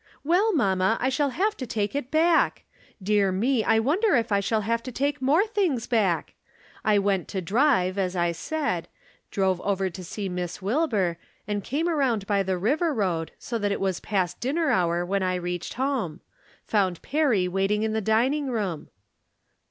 — Well, mamma, I shall liave to take it back ! Dear me, I wonder if I sliall have to take more things back ! I went to drive, as I said ; drove over to see Lliss Wilbur, and came around by the river road, so that it was past dinner hour when I reached home. Found Perry waiting in the dining room.